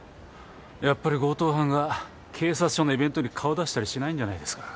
やっぱり強盗犯が警察署のイベントに顔出したりしないんじゃないですか？